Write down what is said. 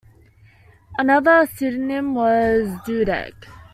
Another pseudonym was Dodek.